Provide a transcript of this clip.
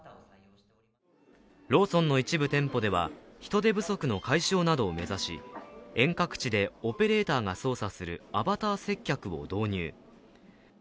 ローソンの一部店舗では、人手不足の解消などを目指し、遠隔地でオペレーターが操作するアバター接客を導入。